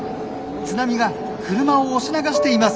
津波が車を押し流しています。